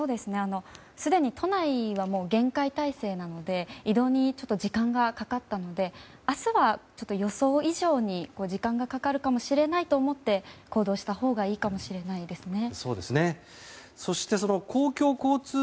すでに都内は厳戒態勢なので移動に、ちょっと時間がかかったので明日は予想以上に時間がかかるかもしれないと思って行動したほうがいいかもしれないですね。